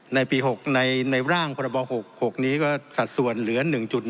ในปี๖ในร่างประบาท๖ก็สัดส่วนเหลือ๑๑๐